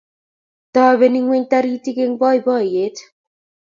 Tobeni ngweny taritik eng boiboiyet